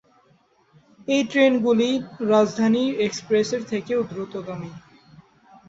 এই ট্রেনগুলি রাজধানী এক্সপ্রেসের থেকেও দ্রুতগামী।